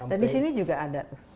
dan disini juga ada